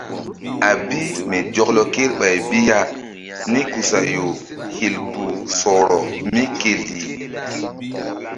A bi mi zɔklɔ kreɓay bi ya nikusayo hil kpuh sɔhrɔ mí ke lih.